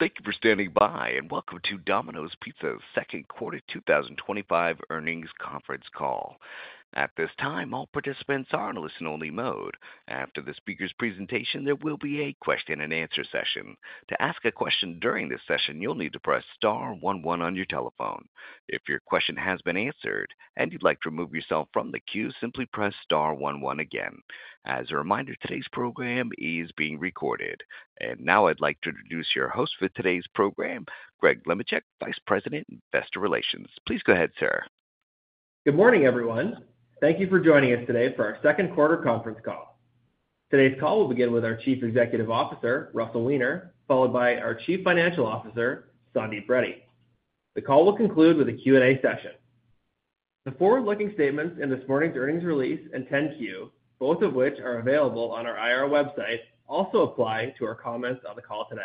Thank you for standing by, and welcome to Domino's Pizza's second quarter 2025 earnings conference call. At this time, all participants are in listen-only mode. After the speaker's presentation, there will be a question-and-answer session. To ask a question during this session, you'll need to press star one one on your telephone. If your question has been answered and you'd like to remove yourself from the queue, simply press star one one again. As a reminder, today's program is being recorded. Now I'd like to introduce your host for today's program, Greg Lemenchick, Vice President, Investor Relations. Please go ahead, sir. Good morning, everyone. Thank you for joining us today for our Second Quarter Conference Call. Today's call will begin with our Chief Executive Officer, Russell Weiner, followed by our Chief Financial Officer, Sandeep Reddy. The call will conclude with a Q&A session. The forward-looking statements in this morning's earnings release and 10-Q, both of which are available on our IRO website, also apply to our comments on the call today.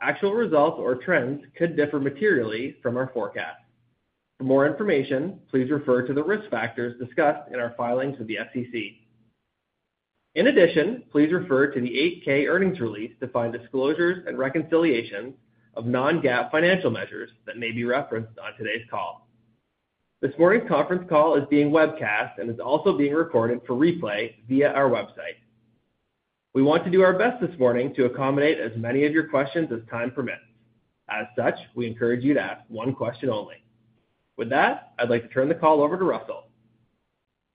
Actual results or trends could differ materially from our forecast. For more information, please refer to the risk factors discussed in our filings with the SEC. In addition, please refer to the 8-K earnings release to find disclosures and reconciliations of non-GAAP financial measures that may be referenced on today's call. This morning's conference call is being webcast and is also being recorded for replay via our website. We want to do our best this morning to accommodate as many of your questions as time permits. As such, we encourage you to ask one question only. With that, I'd like to turn the call over to Russell.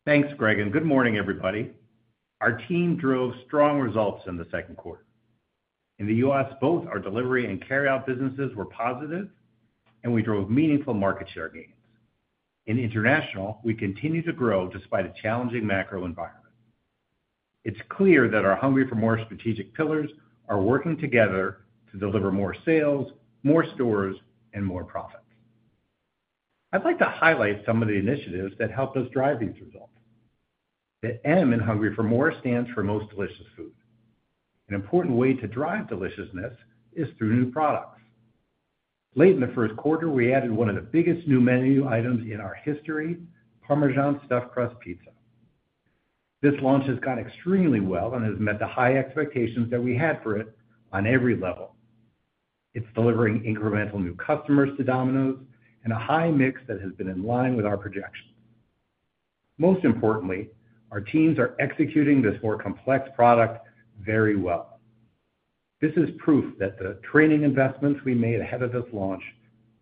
Thanks, Greg, and good morning, everybody. Our team drove strong results in the second quarter. In the U.S., both our delivery and carryout businesses were positive, and we drove meaningful market share gains. In international, we continue to grow despite a challenging macro environment. It's clear that our Hungry for MORE strategic pillars are working together to deliver more sales, more stores, and more profits. I'd like to highlight some of the initiatives that helped us drive these results. The M in Hungry for More stands for Most Delicious Food. An important way to drive deliciousness is through new products. Late in the first quarter, we added one of the biggest new menu items in our history, Parmesan Stuffed Crust Pizza. This launch has gone extremely well and has met the high expectations that we had for it on every level. It's delivering incremental new customers to Domino's and a high mix that has been in line with our projections. Most importantly, our teams are executing this more complex product very well. This is proof that the training investments we made ahead of this launch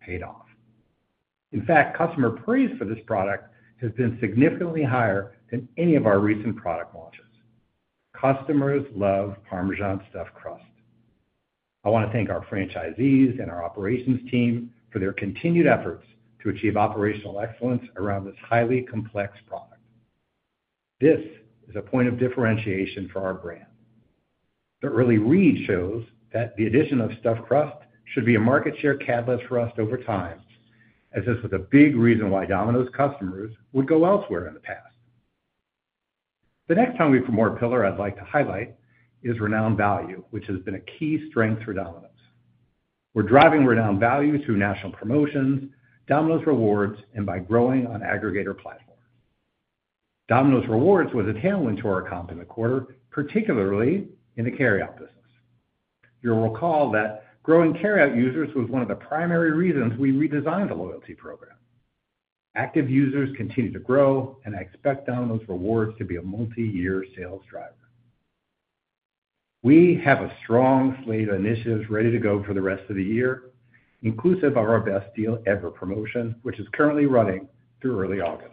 paid off. In fact, customer praise for this product has been significantly higher than any of our recent product launches. Customers love Parmesan Stuffed Crust. I want to thank our franchisees and our operations team for their continued efforts to achieve operational excellence around this highly complex product. This is a point of differentiation for our brand. The early read shows that the addition of Stuffed Crust should be a market share catalyst for us over time, as this was a big reason why Domino's customers would go elsewhere in the past. The next Hungry for MORE pillar I'd like to highlight is renowned value, which has been a key strength for Domino's. We're driving renowned value through national promotions, Domino's Rewards, and by growing on aggregator platforms. Domino's Rewards was a tailwind to our comp in the quarter, particularly in the carryout business. You'll recall that growing carryout users was one of the primary reasons we redesigned the loyalty program. Active users continue to grow, and I expect Domino's Rewards to be a multi-year sales driver. We have a strong slate of initiatives ready to go for the rest of the year, inclusive of our Best Deal Ever promotion, which is currently running through early August.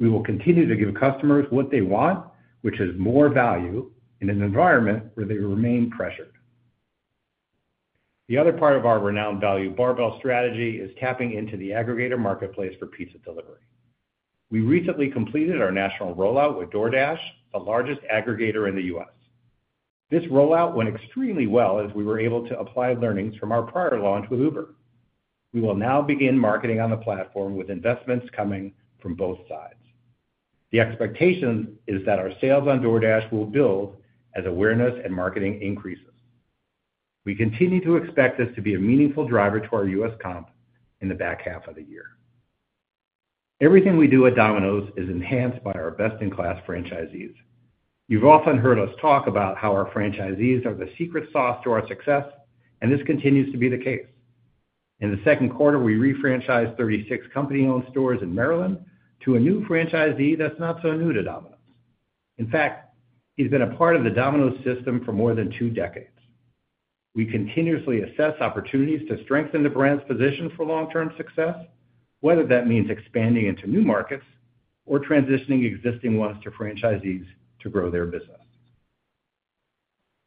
We will continue to give customers what they want, which is more value in an environment where they remain pressured. The other part of our renowned value barbell strategy is tapping into the aggregator marketplace for pizza delivery. We recently completed our national rollout with DoorDash, the largest aggregator in the U.S. This rollout went extremely well as we were able to apply learnings from our prior launch with Uber. We will now begin marketing on the platform with investments coming from both sides. The expectation is that our sales on DoorDash will build as awareness and marketing increases. We continue to expect this to be a meaningful driver to our U.S. comp in the back half of the year. Everything we do at Domino's is enhanced by our best-in-class franchisees. You've often heard us talk about how our franchisees are the secret sauce to our success, and this continues to be the case. In the second quarter, we refranchised 36 company-owned stores in Maryland to a new franchisee that's not so new to Domino's. In fact, he's been a part of the Domino's system for more than two decades. We continuously assess opportunities to strengthen the brand's position for long-term success, whether that means expanding into new markets or transitioning existing ones to franchisees to grow their business.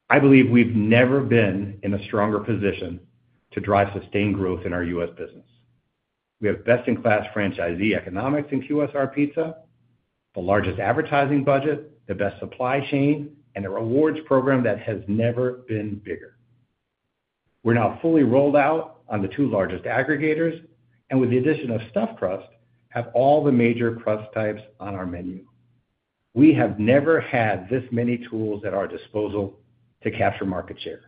I believe we've never been in a stronger position to drive sustained growth in our U.S. business. We have best-in-class franchisee economics in QSR Pizza, the largest advertising budget, the best supply chain, and a rewards program that has never been bigger. We're now fully rolled out on the two largest aggregators, and with the addition of Stuffed Crust, have all the major crust types on our menu. We have never had this many tools at our disposal to capture market share.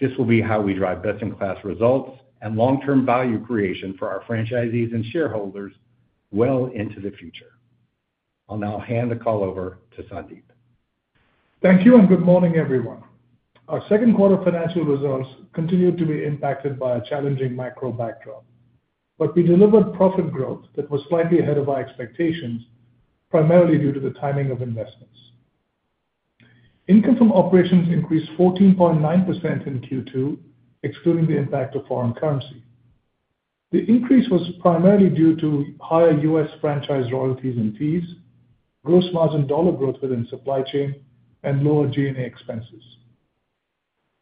This will be how we drive best-in-class results and long-term value creation for our franchisees and shareholders well into the future. I'll now hand the call over to Sandeep. Thank you, and good morning, everyone. Our second quarter financial results continued to be impacted by a challenging macro backdrop, but we delivered profit growth that was slightly ahead of our expectations, primarily due to the timing of investments. Income from operations increased 14.9% in Q2, excluding the impact of foreign currency. The increase was primarily due to higher U.S. franchise royalties and fees, gross margin dollar growth within supply chain, and lower G&A expenses.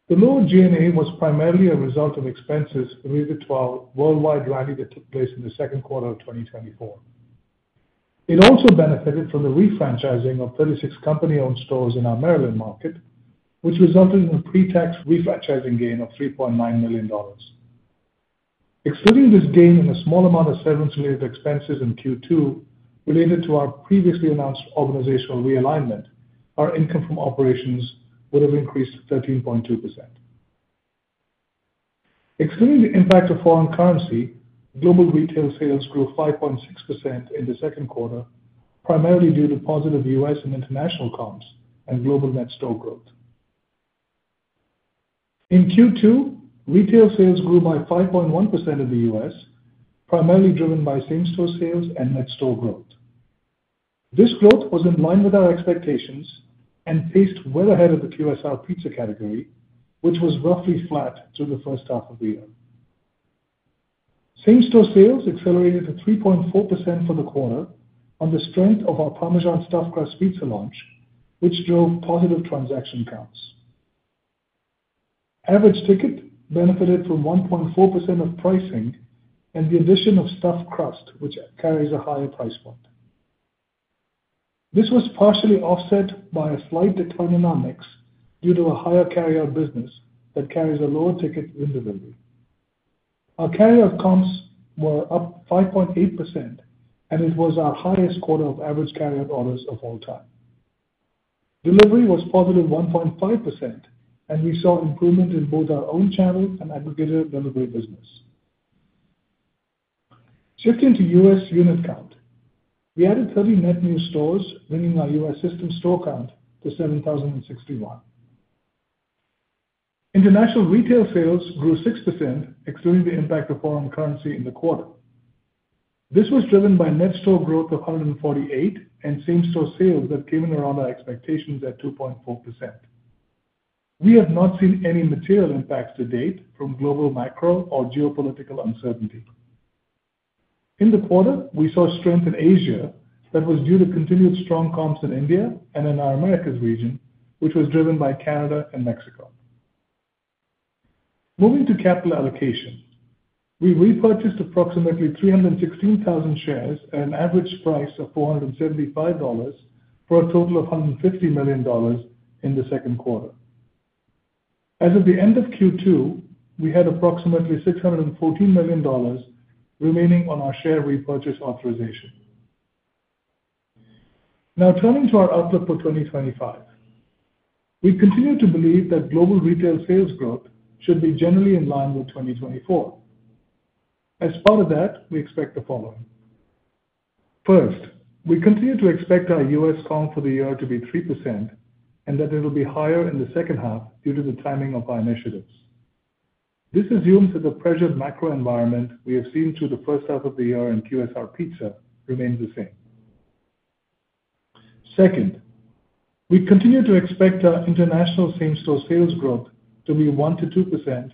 The lower G&A was primarily a result of expenses related to our worldwide rally that took place in the second quarter of 2024. It also benefited from the refranchising of 36 company-owned stores in our Maryland market, which resulted in a pre-tax refranchising gain of $3.9 million. Excluding this gain and a small amount of severance-related expenses in Q2 related to our previously announced organizational realignment, our income from operations would have increased 13.2%. Excluding the impact of foreign currency, global retail sales grew 5.6% in the second quarter, primarily due to positive U.S. and international comps and global net store growth. In Q2, retail sales grew by 5.1% in the U.S., primarily driven by same-store sales and net store growth. This growth was in line with our expectations and paced well ahead of the QSR Pizza category, which was roughly flat through the first half of the year. Same-store sales accelerated to 3.4% for the quarter on the strength of our Parmesan Stuffed Crust Pizza launch, which drove positive transaction counts. Average ticket benefited from 1.4% of pricing and the addition of Stuffed Crust, which carries a higher price point. This was partially offset by a slight decline in our mix due to a higher carryout business that carries a lower ticket in delivery. Our carryout comps were up 5.8%, and it was our highest quarter of average carryout orders of all time. Delivery was +1.5%, and we saw improvement in both our own channel and aggregator delivery business. Shifting to U.S. unit count, we added 30 net new stores, bringing our U.S. system store count to 7,061. International retail sales grew 6%, excluding the impact of foreign currency in the quarter. This was driven by net store growth of 148 and same-store sales that came in around our expectations at 2.4%. We have not seen any material impacts to date from global macro or geopolitical uncertainty. In the quarter, we saw strength in Asia that was due to continued strong comps in India and in our Americas region, which was driven by Canada and Mexico. Moving to capital allocation, we repurchased approximately 316,000 shares at an average price of $475 for a total of $150 million in the second quarter. As of the end of Q2, we had approximately $614 million remaining on our share repurchase authorization. Now turning to our outlook for 2025. We continue to believe that global retail sales growth should be generally in line with 2024. As part of that, we expect the following. First, we continue to expect our U.S. comp for the year to be 3% and that it will be higher in the second half due to the timing of our initiatives. This assumes that the pressured macro environment we have seen through the first half of the year in QSR Pizza remains the same. Second, we continue to expect our international same-store sales growth to be 1%-2%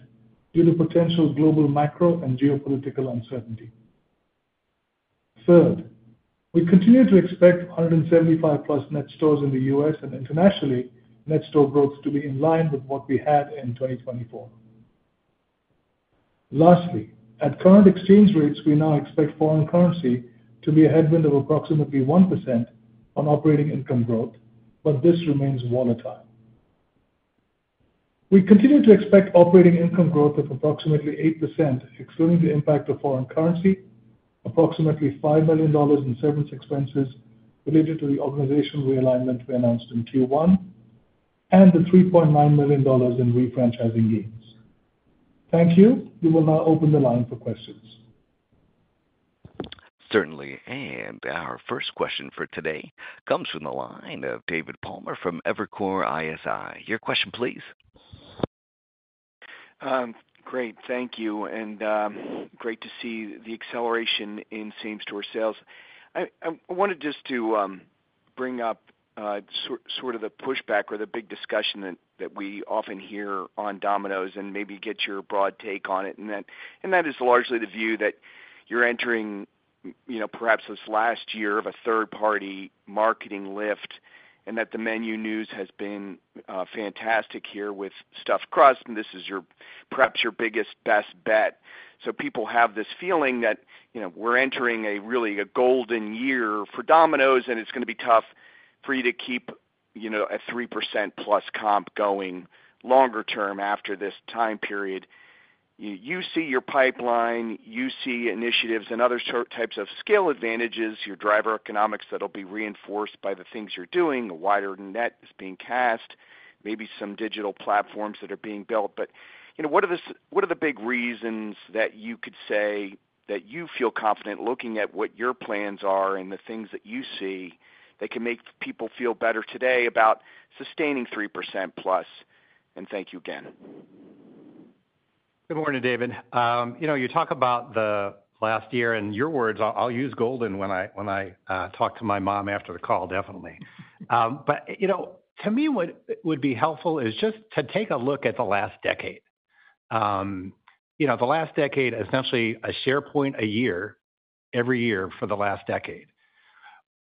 due to potential global macro and geopolitical uncertainty. Third, we continue to expect 175+ net stores in the U.S. and internationally net store growth to be in line with what we had in 2024. Lastly, at current exchange rates, we now expect foreign currency to be a headwind of approximately 1% on operating income growth, but this remains volatile. We continue to expect operating income growth of approximately 8%, excluding the impact of foreign currency, approximately $5 million in severance expenses related to the organizational realignment we announced in Q1, and the $3.9 million in refranchising gains. Thank you. We will now open the line for questions. Certainly. Our first question for today comes from the line of David Palmer from Evercore ISI. Your question, please. Great. Thank you. Great to see the acceleration in same-store sales. I wanted just to bring up sort of the pushback or the big discussion that we often hear on Domino's and maybe get your broad take on it. That is largely the view that you're entering perhaps this last year of a third-party marketing lift and that the menu news has been fantastic here with Stuffed Crust, and this is perhaps your biggest best bet. People have this feeling that we're entering really a golden year for Domino's, and it's going to be tough for you to keep a 3%+ comp going longer term after this time period. You see your pipeline, you see initiatives and other types of scale advantages, your driver economics that will be reinforced by the things you're doing, a wider net that's being cast, maybe some digital platforms that are being built. What are the big reasons that you could say that you feel confident looking at what your plans are and the things that you see that can make people feel better today about sustaining 3%+? Thank you again. Good morning, David. You talk about the last year in your words, I'll use golden when I talk to my mom after the call, definitely. To me, what would be helpful is just to take a look at the last decade. The last decade, essentially, a percentage point a year every year for the last decade.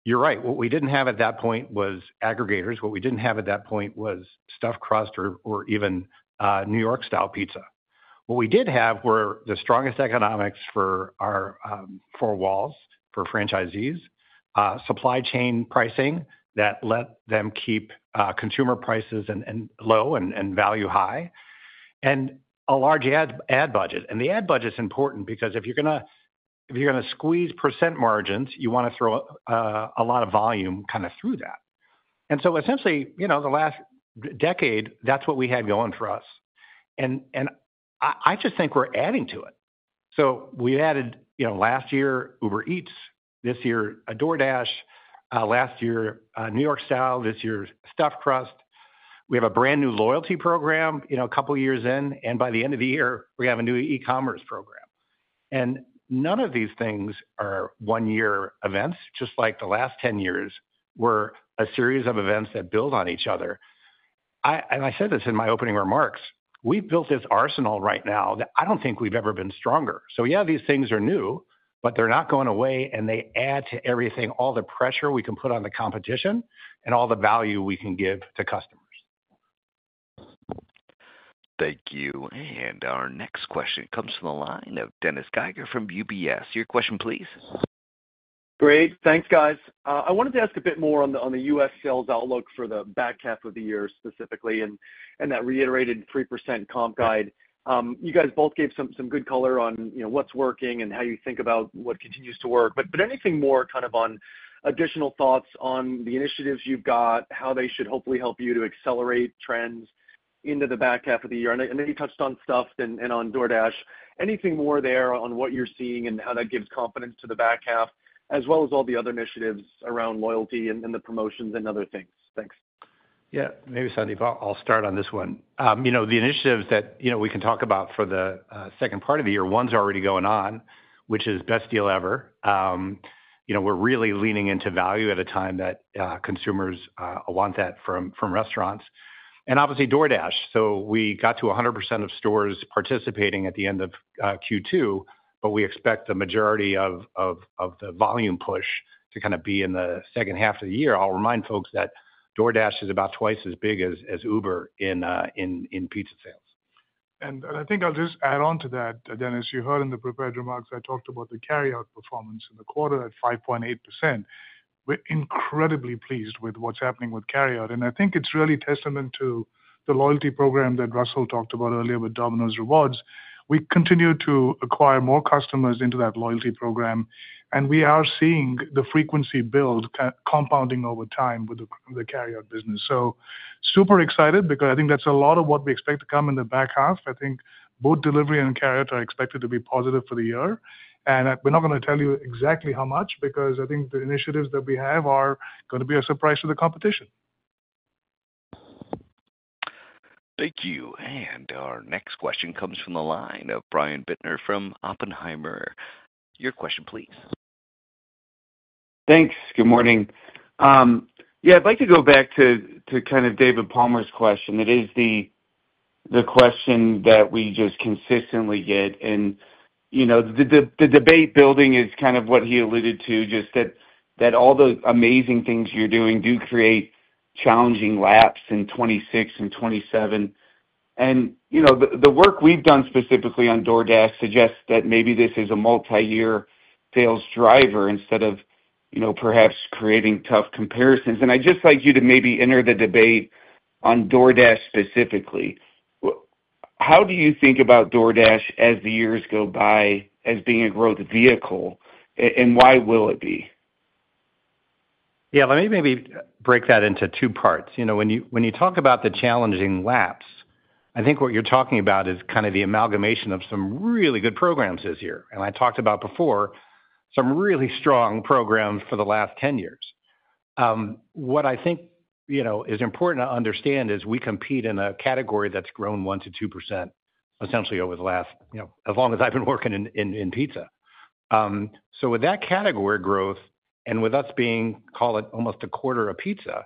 You're right. What we didn't have at that point was aggregators. What we didn't have at that point was Stuffed Crust or even New York-style pizza. What we did have were the strongest economics for our four walls for franchisees, supply chain pricing that let them keep consumer prices low and value high. And a large ad budget. The ad budget's important because if you're going to squeeze percent margins, you want to throw a lot of volume kind of through that. Essentially, the last decade, that's what we had going for us. I just think we're adding to it. We added last year Uber Eats, this year DoorDash, last year New York-style, this year Stuffed Crust. We have a brand new loyalty program a couple of years in, and by the end of the year, we have a new e-commerce program. None of these things are one-year events, just like the last 10 years were a series of events that build on each other. I said this in my opening remarks, we've built this arsenal right now that I don't think we've ever been stronger. Yeah, these things are new, but they're not going away, and they add to everything, all the pressure we can put on the competition and all the value we can give to customers. Thank you. Our next question comes from the line of Dennis Geiger from UBS. Your question, please. Great. Thanks, guys. I wanted to ask a bit more on the U.S. sales outlook for the back half of the year specifically and that reiterated 3% comp guide. You guys both gave some good color on what's working and how you think about what continues to work. Anything more on additional thoughts on the initiatives you've got, how they should hopefully help you to accelerate trends into the back half of the year? I know you touched on Stuffed and on DoorDash. Anything more there on what you're seeing and how that gives confidence to the back half, as well as all the other initiatives around loyalty and the promotions and other things? Thanks. Yeah. Maybe Sandeep, I'll start on this one. The initiatives that we can talk about for the second part of the year, one's already going on, which is Best Deal Ever. We're really leaning into value at a time that consumers want that from restaurants. Obviously, DoorDash. We got to 100% of stores participating at the end of Q2, but we expect the majority of the volume push to kind of be in the second half of the year. I'll remind folks that DoorDash is about twice as big as Uber in pizza sales. I think I'll just add on to that, Dennis. You heard in the prepared remarks, I talked about the carryout performance in the quarter at 5.8%. We're incredibly pleased with what's happening with carryout. I think it's really a testament to the loyalty program that Russell talked about earlier with Domino's Rewards. We continue to acquire more customers into that loyalty program, and we are seeing the frequency build compounding over time with the carryout business. Super excited because I think that's a lot of what we expect to come in the back half. I think both delivery and carryout are expected to be positive for the year. We're not going to tell you exactly how much because I think the initiatives that we have are going to be a surprise to the competition. Thank you. Our next question comes from the line of Brian Bittner from Oppenheimer. Your question, please. Thanks. Good morning. Yeah, I'd like to go back to kind of David Palmer's question. It is the question that we just consistently get. The debate building is kind of what he alluded to, just that all the amazing things you're doing do create challenging laps in 2026 and 2027. The work we've done specifically on DoorDash suggests that maybe this is a multi-year sales driver instead of perhaps creating tough comparisons. I'd just like you to maybe enter the debate on DoorDash specifically. How do you think about DoorDash as the years go by as being a growth vehicle, and why will it be? Yeah, let me maybe break that into two parts. When you talk about the challenging laps, I think what you're talking about is kind of the amalgamation of some really good programs this year. I talked about before, some really strong programs for the last 10 years. What I think is important to understand is we compete in a category that's grown 1%-2% essentially over the last, as long as I've been working in pizza. With that category growth and with us being, call it almost a quarter of pizza,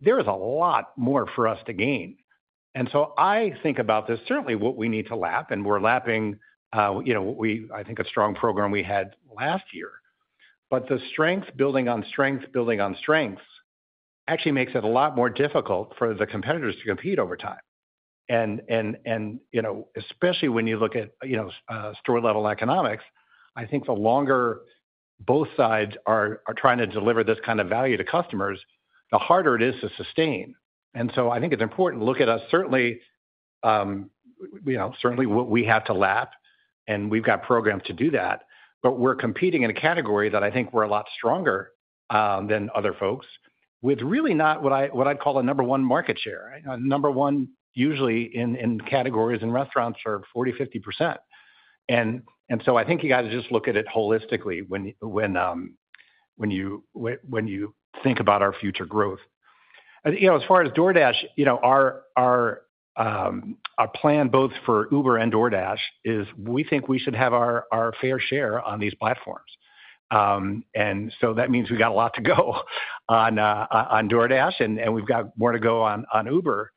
there is a lot more for us to gain. I think about this, certainly what we need to lap, and we're lapping. I think a strong program we had last year. The strength, building on strength, building on strengths, actually makes it a lot more difficult for the competitors to compete over time. Especially when you look at store-level economics, I think the longer both sides are trying to deliver this kind of value to customers, the harder it is to sustain. I think it's important to look at us, certainly. Certainly what we have to lap, and we've got programs to do that. We're competing in a category that I think we're a lot stronger than other folks with really not what I'd call a number one market share. Number one usually in categories in restaurants are 40%-50%. I think you got to just look at it holistically when you think about our future growth. As far as DoorDash, our plan both for Uber and DoorDash is we think we should have our fair share on these platforms. That means we got a lot to go on DoorDash, and we've got more to go on Uber.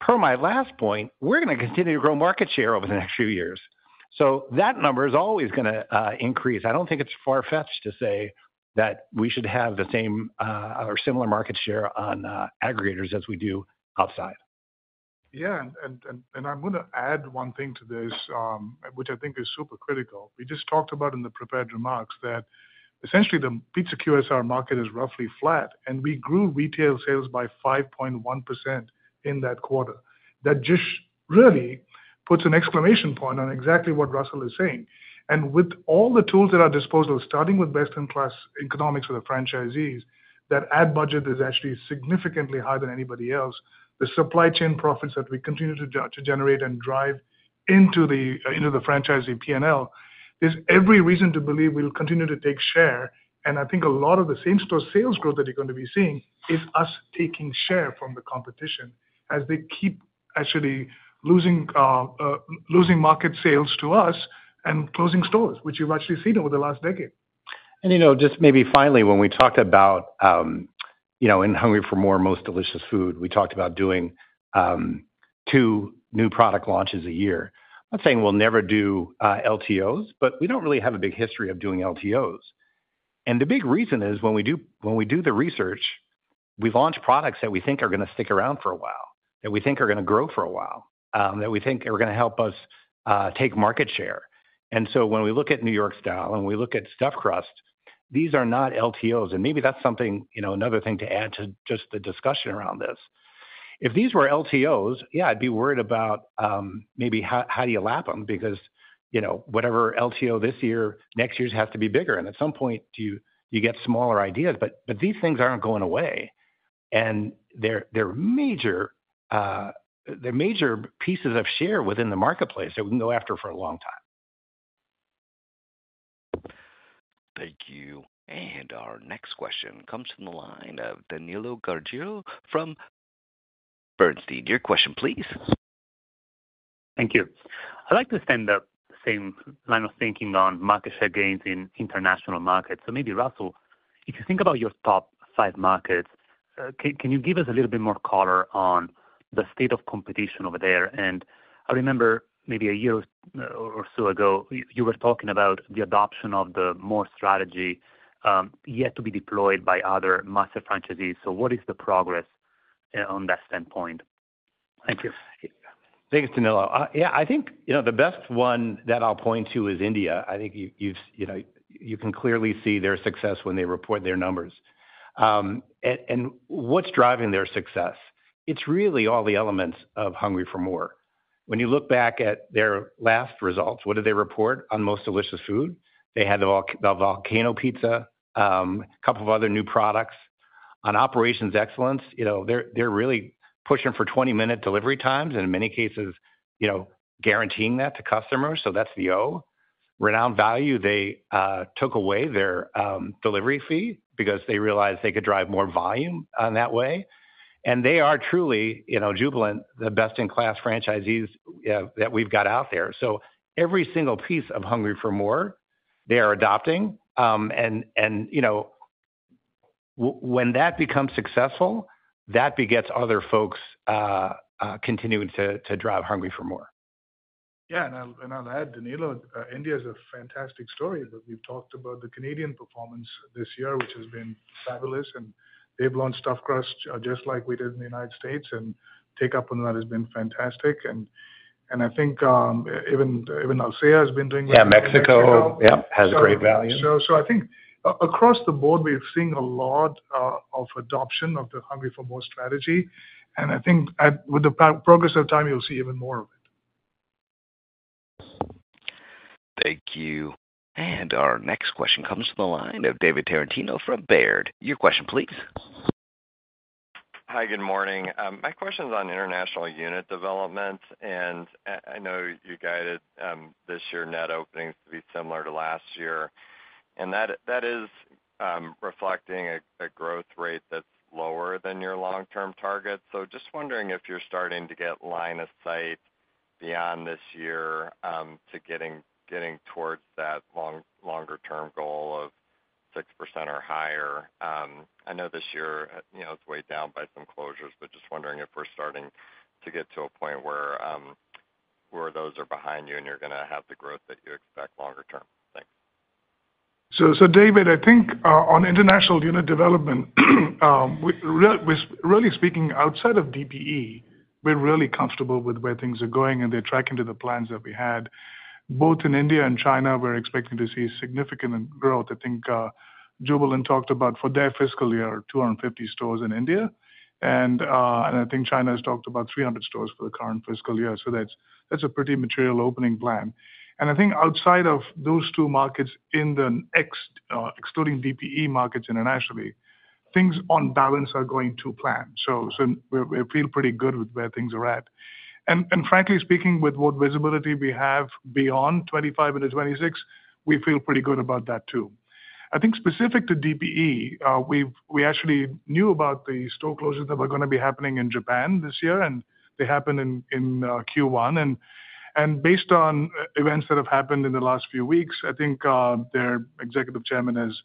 Per my last point, we're going to continue to grow market share over the next few years. That number is always going to increase. I don't think it's far-fetched to say that we should have the same or similar market share on aggregators as we do outside. Yeah. I'm going to add one thing to this, which I think is super critical. We just talked about in the prepared remarks that essentially the pizza QSR market is roughly flat, and we grew retail sales by 5.1% in that quarter. That just really puts an exclamation point on exactly what Russell is saying. With all the tools at our disposal, starting with best-in-class economics for the franchisees, that ad budget is actually significantly higher than anybody else. The supply chain profits that we continue to generate and drive into the franchisee P&L is every reason to believe we'll continue to take share. I think a lot of the same-store sales growth that you're going to be seeing is us taking share from the competition as they keep actually losing market sales to us and closing stores, which you've actually seen over the last decade. Just maybe finally, when we talked about in Hungry for MORE, Most Delicious Food, we talked about doing two new product launches a year. I'm not saying we'll never do LTOs, but we don't really have a big history of doing LTOs. The big reason is when we do the research, we launch products that we think are going to stick around for a while, that we think are going to grow for a while, that we think are going to help us take market share. When we look at New York-style and we look at Stuffed Crust, these are not LTOs. Maybe that's something, another thing to add to just the discussion around this. If these were LTOs, yeah, I'd be worried about maybe how do you lap them because whatever LTO this year, next year's has to be bigger. At some point, you get smaller ideas. These things aren't going away. They're major pieces of share within the marketplace that we can go after for a long time. Thank you. Our next question comes from the line of Danilo Gargiulo from Bernstein. Your question, please. Thank you. I'd like to stand up the same line of thinking on market share gains in international markets. Maybe, Russell, if you think about your top five markets, can you give us a little bit more color on the state of competition over there? I remember maybe a year or so ago, you were talking about the adoption of the MORE strategy, yet to be deployed by other massive franchisees. What is the progress on that standpoint? Thank you. Thanks, Danilo. Yeah, I think the best one that I'll point to is India. I think you can clearly see their success when they report their numbers. And what's driving their success? It's really all the elements of Hungry for MORE. When you look back at their last results, what did they report on most delicious food? They had the Volcano Pizza, a couple of other new products. On operations excellence, they're really pushing for 20-minute delivery times and, in many cases, guaranteeing that to customers. So that's the O. Renowned Value, they took away their delivery fee because they realized they could drive more volume that way. And they are truly Jubilant, the best-in-class franchisees that we've got out there. So every single piece of Hungry for MORE, they are adopting. When that becomes successful, that begets other folks. Continuing to drive Hungry for MORE. Yeah. I'll add, Danilo, India is a fantastic story. We've talked about the Canadian performance this year, which has been fabulous. They've launched Stuffed Crust just like we did in the United States. Take up on that has been fantastic. I think even Alsea has been doing that. Yeah, Mexico, yeah, has great value. I think across the board, we're seeing a lot of adoption of the Hungry for MORE strategy. I think with the progress of time, you'll see even more of it. Thank you. Our next question comes from the line of David Tarantino from Baird. Your question, please. Hi, good morning. My question is on international unit development. I know you guided this year net openings to be similar to last year. That is reflecting a growth rate that's lower than your long-term target. Just wondering if you're starting to get line of sight beyond this year to getting towards that longer-term goal of 6% or higher. I know this year is weighed down by some closures, but just wondering if we're starting to get to a point where those are behind you and you're going to have the growth that you expect longer term. Thanks. David, I think on international unit development, really speaking outside of DPE, we're really comfortable with where things are going and they're tracking to the plans that we had. Both in India and China, we're expecting to see significant growth. I think Jubilant talked about for their fiscal year, 250 stores in India. I think China has talked about 300 stores for the current fiscal year. That's a pretty material opening plan. I think outside of those two markets, excluding DPE markets internationally, things on balance are going to plan. We feel pretty good with where things are at. Frankly, speaking with what visibility we have beyond 2025 into 2026, we feel pretty good about that too. I think specific to DPE, we actually knew about the store closures that were going to be happening in Japan this year, and they happened in Q1. Based on events that have happened in the last few weeks, I think their executive chairman has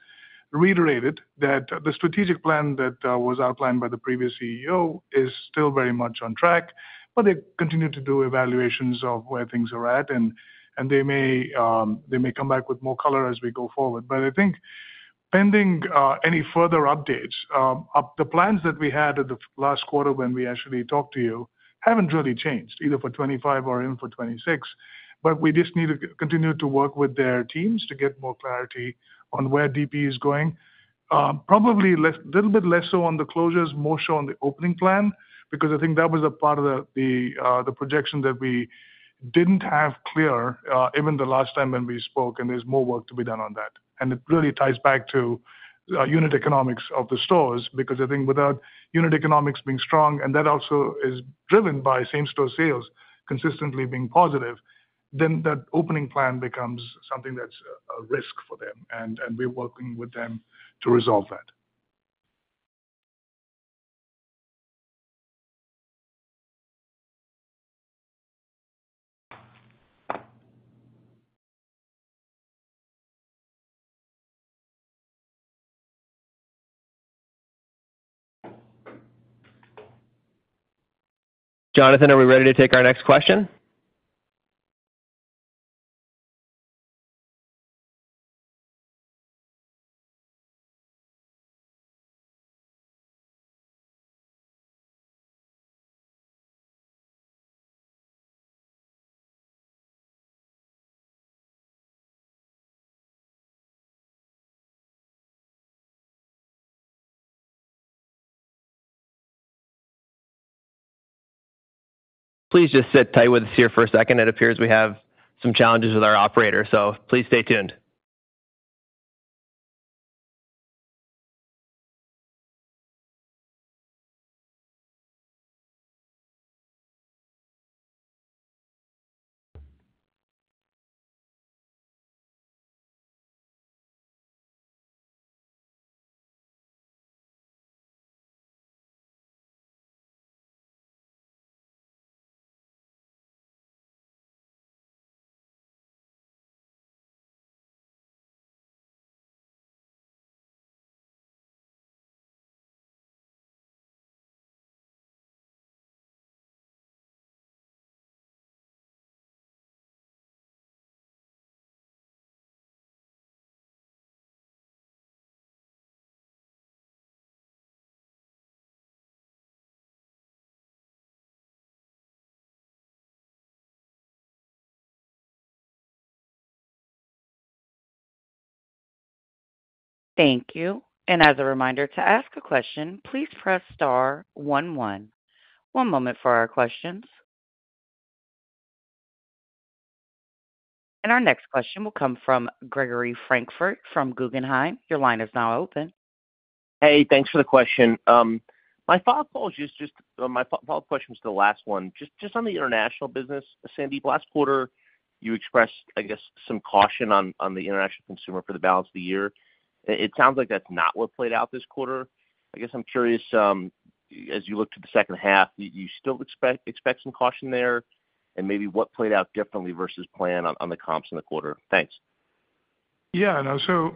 reiterated that the strategic plan that was outlined by the previous CEO is still very much on track. They continue to do evaluations of where things are at. They may come back with more color as we go forward. I think pending any further updates, the plans that we had in the last quarter when we actually talked to you haven't really changed, either for 2025 or even for 2026. We just need to continue to work with their teams to get more clarity on where DPE is going. Probably a little bit less so on the closures, more so on the opening plan, because I think that was a part of the projection that we didn't have clear even the last time when we spoke. There's more work to be done on that. It really ties back to unit economics of the stores, because I think without unit economics being strong, and that also is driven by same-store sales consistently being positive, then that opening plan becomes something that's a risk for them. We're working with them to resolve that. Jonathan, are we ready to take our next question? Please just sit tight with us here for a second. It appears we have some challenges with our operator. Please stay tuned. Thank you. As a reminder to ask a question, please press star one one. One moment for our questions. Our next question will come from Gregory Francfort from Guggenheim. Your line is now open. Hey, thanks for the question. My follow-up question was the last one. Just on the international business, Sandeep, last quarter, you expressed, I guess, some caution on the international consumer for the balance of the year. It sounds like that's not what played out this quarter. I guess I'm curious. As you look to the second half, you still expect some caution there? Maybe what played out differently versus planned on the comps in the quarter? Thanks. Yeah.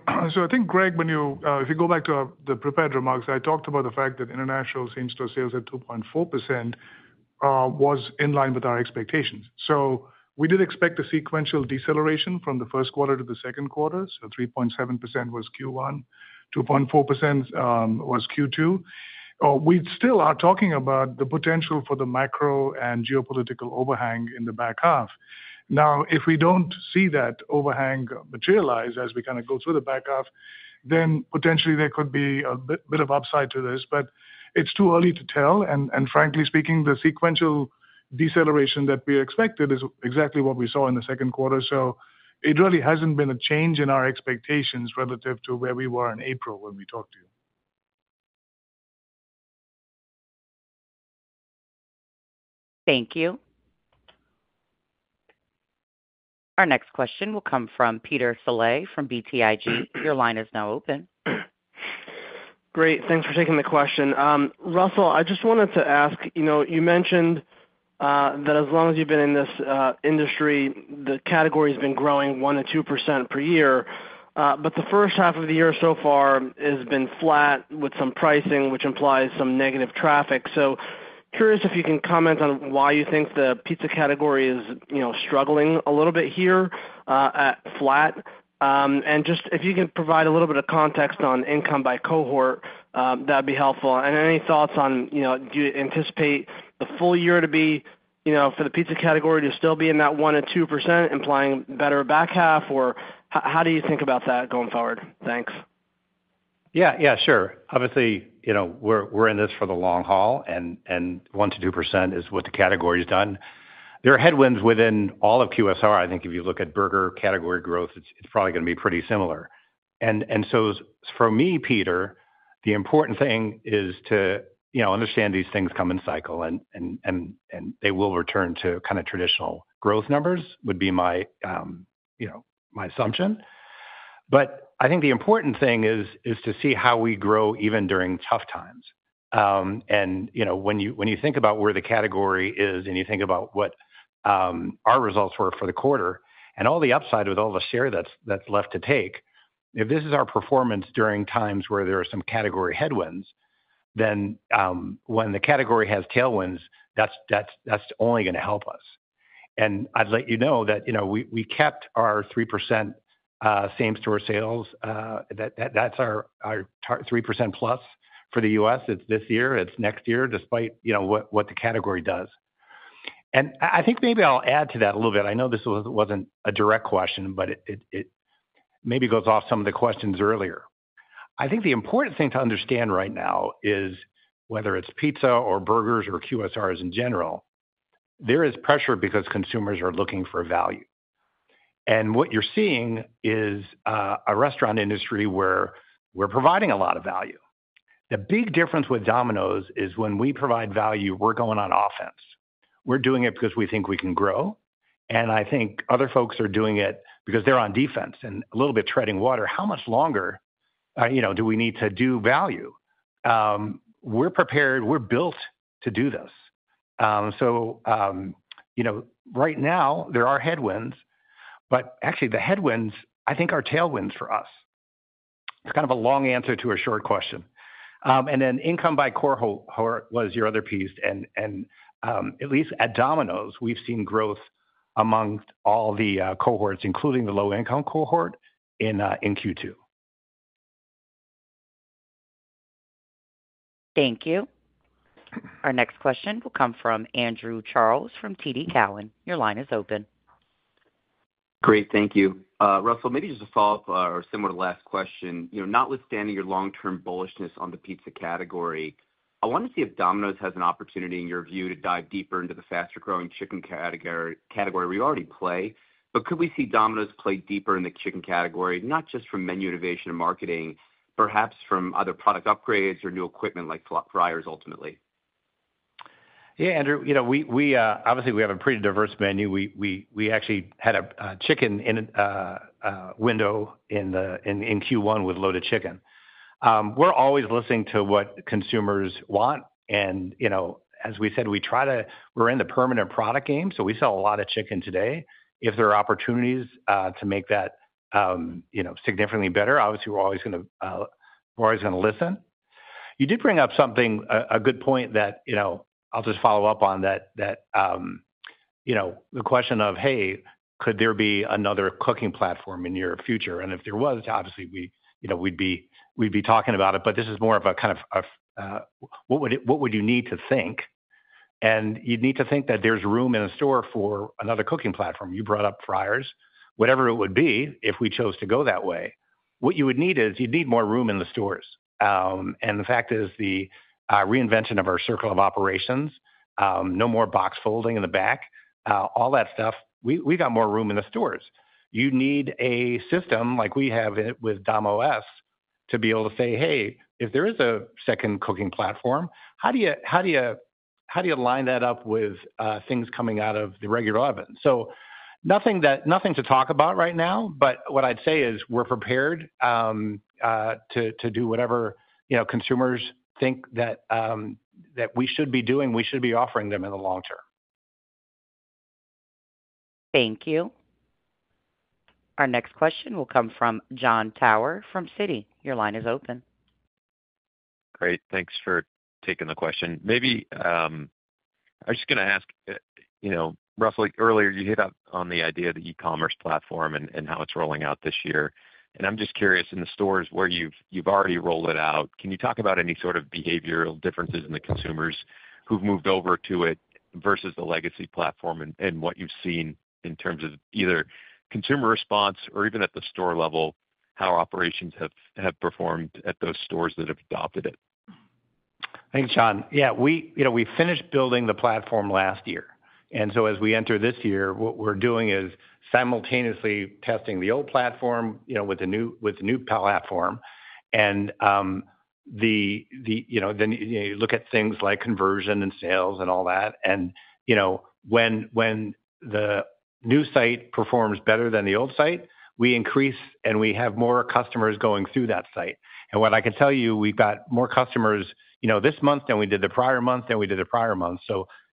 I think, Greg, if you go back to the prepared remarks, I talked about the fact that international same-store sales at 2.4% was in line with our expectations. We did expect a sequential deceleration from the first quarter to the second quarter, so 3.7% was Q1. 2.4% was Q2. We still are talking about the potential for the macro and geopolitical overhang in the back half. Now, if we do not see that overhang materialize as we kind of go through the back half, then potentially there could be a bit of upside to this. It is too early to tell. Frankly speaking, the sequential deceleration that we expected is exactly what we saw in the second quarter. It really has not been a change in our expectations relative to where we were in April when we talked to you. Thank you. Our next question will come from Peter Saleh from BTIG. Your line is now open. Great. Thanks for taking the question. Russell, I just wanted to ask, you mentioned that as long as you've been in this industry, the category has been growing 1% to 2% per year. The first half of the year so far has been flat with some pricing, which implies some negative traffic. Curious if you can comment on why you think the pizza category is struggling a little bit here at flat. If you can provide a little bit of context on income by cohort, that would be helpful. Any thoughts on do you anticipate the full year to be for the pizza category to still be in that 1% to 2%, implying better back half? How do you think about that going forward? Thanks. Yeah, yeah, sure. Obviously, we're in this for the long haul. And 1%-2% is what the category has done. There are headwinds within all of QSR. I think if you look at burger category growth, it's probably going to be pretty similar. For me, Peter, the important thing is to understand these things come in cycle. They will return to kind of traditional growth numbers would be my assumption. I think the important thing is to see how we grow even during tough times. When you think about where the category is and you think about what our results were for the quarter and all the upside with all the share that's left to take, if this is our performance during times where there are some category headwinds, then when the category has tailwinds, that's only going to help us. I'd let you know that we kept our 3% same-store sales. That's our 3%+ for the U.S. It's this year. It's next year, despite what the category does. I think maybe I'll add to that a little bit. I know this wasn't a direct question, but it maybe goes off some of the questions earlier. I think the important thing to understand right now is whether it's pizza or burgers or QSRs in general, there is pressure because consumers are looking for value. What you're seeing is a restaurant industry where we're providing a lot of value. The big difference with Domino's is when we provide value, we're going on offense. We're doing it because we think we can grow. I think other folks are doing it because they're on defense and a little bit treading water. How much longer do we need to do value? We're prepared. We're built to do this. Right now, there are headwinds. Actually, the headwinds, I think, are tailwinds for us. It's kind of a long answer to a short question. Income by cohort was your other piece. At least at Domino's, we've seen growth among all the cohorts, including the low-income cohort in Q2. Thank you. Our next question will come from Andrew Charles from TD Cowen. Your line is open. Great. Thank you. Russell, maybe just a follow-up or similar to last question. Notwithstanding your long-term bullishness on the pizza category, I want to see if Domino's has an opportunity, in your view, to dive deeper into the faster-growing chicken category we already play. Could we see Domino's play deeper in the chicken category, not just from menu innovation and marketing, perhaps from other product upgrades or new equipment like fryers ultimately? Yeah, Andrew. Obviously, we have a pretty diverse menu. We actually had a chicken window in Q1 with loaded chicken. We're always listening to what consumers want. As we said, we're in the permanent product game. We sell a lot of chicken today. If there are opportunities to make that significantly better, obviously, we're always going to listen. You did bring up a good point that I'll just follow up on. The question of, "Hey, could there be another cooking platform in your future?" If there was, obviously, we'd be talking about it. This is more of a kind of, "What would you need to think?" You'd need to think that there's room in a store for another cooking platform. You brought up fryers. Whatever it would be, if we chose to go that way, what you would need is you'd need more room in the stores. The fact is, the reinvention of our circle of operations, no more box folding in the back, all that stuff, we've got more room in the stores. You need a system like we have with Domino's to be able to say, "Hey, if there is a second cooking platform, how do you line that up with things coming out of the regular oven?" Nothing to talk about right now. What I'd say is we're prepared to do whatever consumers think that we should be doing. We should be offering them in the long term. Thank you. Our next question will come from John Tower from Citi. Your line is open. Great. Thanks for taking the question. Maybe. I was just going to ask. Russell, earlier, you hit on the idea of the e-commerce platform and how it's rolling out this year. I'm just curious, in the stores where you've already rolled it out, can you talk about any sort of behavioral differences in the consumers who've moved over to it versus the legacy platform and what you've seen in terms of either consumer response or even at the store level, how operations have performed at those stores that have adopted it? Thanks, John. Yeah. We finished building the platform last year. As we enter this year, what we're doing is simultaneously testing the old platform with the new platform. Then you look at things like conversion and sales and all that. When the new site performs better than the old site, we increase and we have more customers going through that site. What I can tell you, we've got more customers this month than we did the prior month than we did the prior month.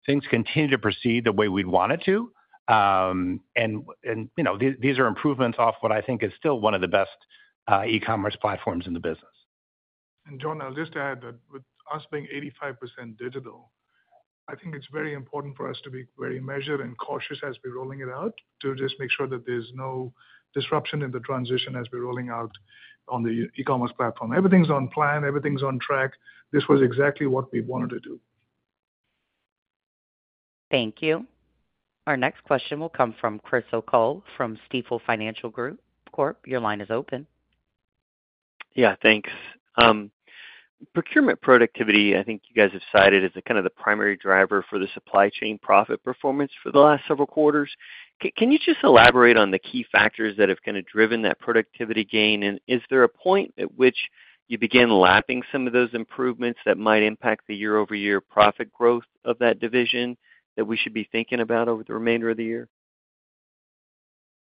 Things continue to proceed the way we'd want it to. These are improvements off what I think is still one of the best e-commerce platforms in the business. I will just add that with us being 85% digital, I think it is very important for us to be very measured and cautious as we are rolling it out to just make sure that there is no disruption in the transition as we are rolling out on the e-commerce platform. Everything is on plan. Everything is on track. This was exactly what we wanted to do. Thank you. Our next question will come from Chris O'Cull from Stifel Financial Corp. Your line is open. Yeah, thanks. Procurement productivity, I think you guys have cited as kind of the primary driver for the supply chain profit performance for the last several quarters. Can you just elaborate on the key factors that have kind of driven that productivity gain? Is there a point at which you begin lapping some of those improvements that might impact the year-over-year profit growth of that division that we should be thinking about over the remainder of the year?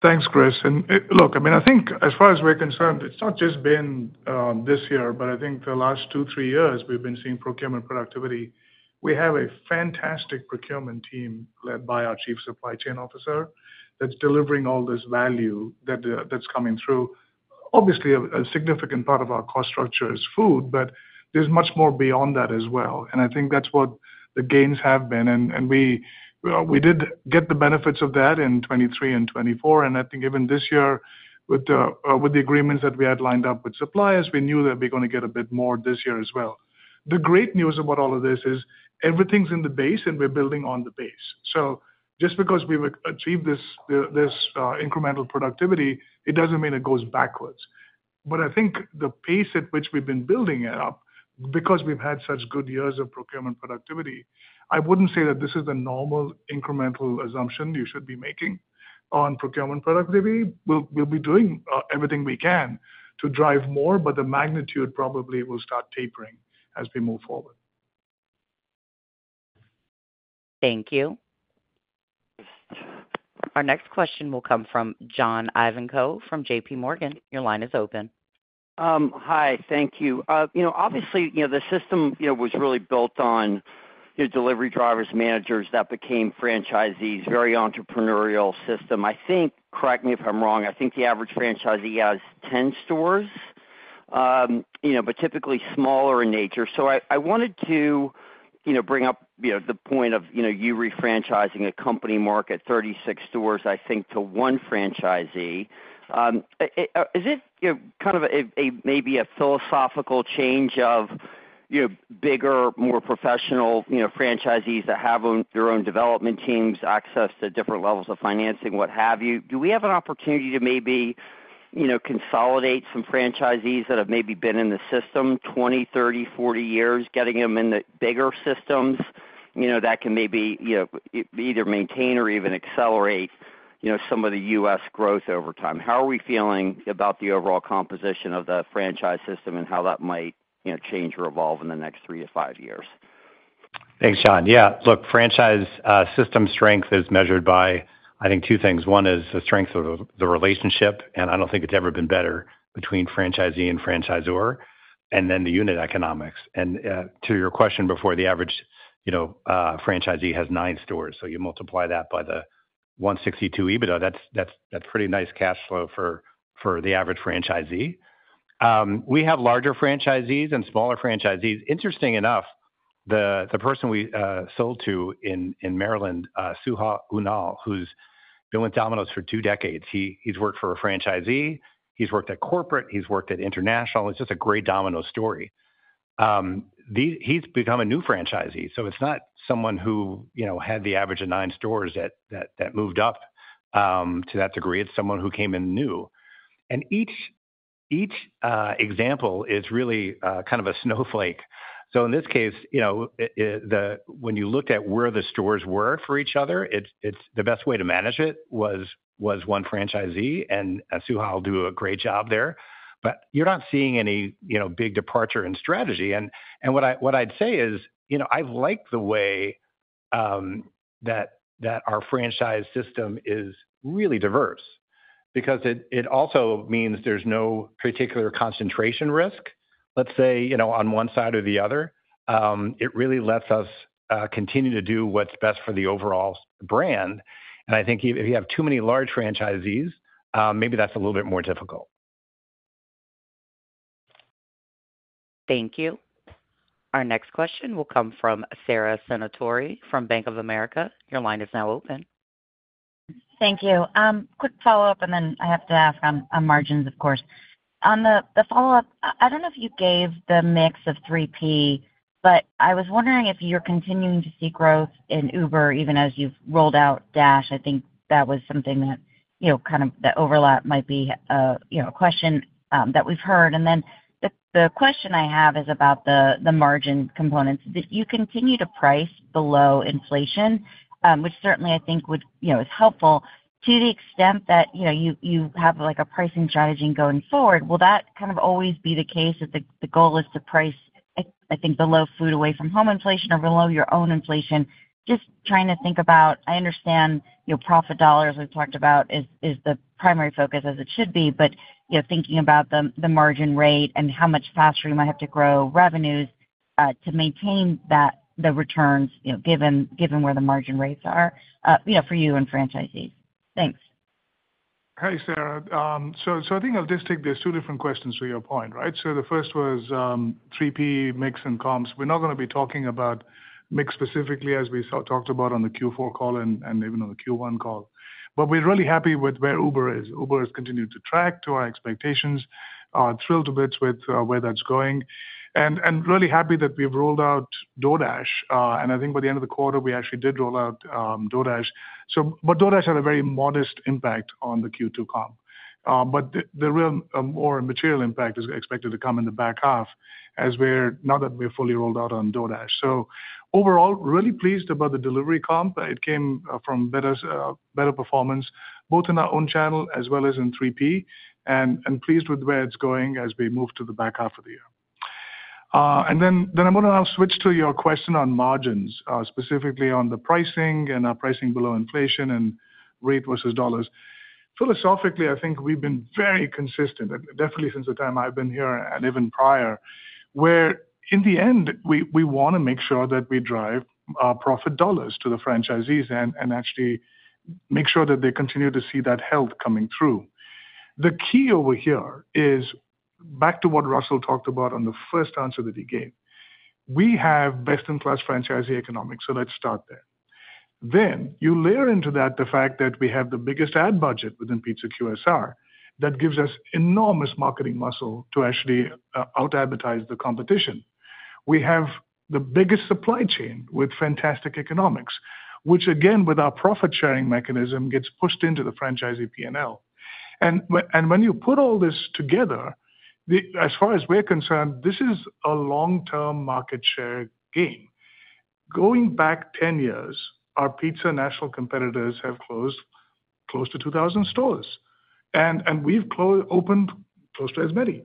Thanks, Chris. I mean, I think as far as we're concerned, it's not just been this year, but I think the last two, three years, we've been seeing procurement productivity. We have a fantastic procurement team led by our Chief Supply Chain Officer that's delivering all this value that's coming through. Obviously, a significant part of our cost structure is food, but there's much more beyond that as well. I think that's what the gains have been. We did get the benefits of that in 2023 and 2024. I think even this year, with the agreements that we had lined up with suppliers, we knew that we're going to get a bit more this year as well. The great news about all of this is everything's in the base, and we're building on the base. Just because we've achieved this incremental productivity, it doesn't mean it goes backwards. I think the pace at which we've been building it up, because we've had such good years of procurement productivity, I wouldn't say that this is the normal incremental assumption you should be making on procurement productivity. We'll be doing everything we can to drive more, but the magnitude probably will start tapering as we move forward. Thank you. Our next question will come from John Ivankoe from JPMorgan. Your line is open. Hi. Thank you. Obviously, the system was really built on delivery drivers, managers that became franchisees, very entrepreneurial system. I think, correct me if I'm wrong, I think the average franchisee has 10 stores. Typically smaller in nature. I wanted to bring up the point of you refranchising a company market, 36 stores, I think, to one franchisee. Is it kind of maybe a philosophical change of bigger, more professional franchisees that have their own development teams, access to different levels of financing, what have you? Do we have an opportunity to maybe consolidate some franchisees that have maybe been in the system 20, 30, 40 years, getting them in the bigger systems that can maybe either maintain or even accelerate some of the U.S. growth over time? How are we feeling about the overall composition of the franchise system and how that might change or evolve in the next three to five years? Thanks, John. Yeah. Look, franchise system strength is measured by, I think, two things. One is the strength of the relationship. I don't think it's ever been better between franchisee and franchisor. And then the unit economics. To your question before, the average franchisee has nine stores. You multiply that by the 162 EBITDA. That's a pretty nice cash flow for the average franchisee. We have larger franchisees and smaller franchisees. Interesting enough, the person we sold to in Maryland, Suha Unal, who's been with Domino's for two decades, he's worked for a franchisee. He's worked at corporate. He's worked at international. It's just a great Domino's story. He's become a new franchisee. It's not someone who had the average of nine stores that moved up to that degree. It's someone who came in new. Each example is really kind of a snowflake. In this case, when you looked at where the stores were for each other, the best way to manage it was one franchisee. Suha will do a great job there. You're not seeing any big departure in strategy. What I'd say is I've liked the way that our franchise system is really diverse because it also means there's no particular concentration risk, let's say, on one side or the other. It really lets us continue to do what's best for the overall brand. I think if you have too many large franchisees, maybe that's a little bit more difficult. Thank you. Our next question will come from Sara Senatore from Bank of America. Your line is now open. Thank you. Quick follow-up. And then I have to ask on margins, of course. On the follow-up, I don't know if you gave the mix of 3P, but I was wondering if you're continuing to see growth in Uber even as you've rolled out Dash. I think that was something that kind of the overlap might be a question that we've heard. And then the question I have is about the margin components. Do you continue to price below inflation, which certainly, I think, is helpful to the extent that you have a pricing strategy going forward? Will that kind of always be the case that the goal is to price, I think, below food away from home inflation or below your own inflation? Just trying to think about, I understand profit dollars we've talked about is the primary focus as it should be, but thinking about the margin rate and how much faster you might have to grow revenues to maintain the returns given where the margin rates are for you and franchisees. Thanks. Hey, Sara. I think I'll just take these two different questions to your point, right? The first was 3P mix and comps. We're not going to be talking about mix specifically as we talked about on the Q4 call and even on the Q1 call. We're really happy with where Uber is. Uber has continued to track to our expectations. Thrilled a bit with where that's going. Really happy that we've rolled out DoorDash. I think by the end of the quarter, we actually did roll out DoorDash. DoorDash had a very modest impact on the Q2 comp. The real more material impact is expected to come in the back half as we're now fully rolled out on DoorDash. Overall, really pleased about the delivery comp. It came from better performance, both in our own channel as well as in 3P, and pleased with where it's going as we move to the back half of the year. I'm going to now switch to your question on margins, specifically on the pricing and our pricing below inflation and rate versus dollars. Philosophically, I think we've been very consistent, definitely since the time I've been here and even prior, where in the end, we want to make sure that we drive profit dollars to the franchisees and actually make sure that they continue to see that health coming through. The key over here is back to what Russell talked about on the first answer that he gave. We have best-in-class franchisee economics. Let's start there. Then you layer into that the fact that we have the biggest ad budget within Pizza QSR that gives us enormous marketing muscle to actually out-advertise the competition. We have the biggest supply chain with fantastic economics, which again, with our profit-sharing mechanism, gets pushed into the franchisee P&L. When you put all this together, as far as we're concerned, this is a long-term market share gain. Going back 10 years, our pizza national competitors have closed close to 2,000 stores. We've opened close to as many.